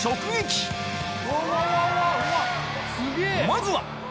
まずは！